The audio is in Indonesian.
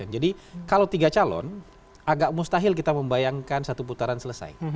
jadi kalau tiga calon agak mustahil kita membayangkan satu putaran selesai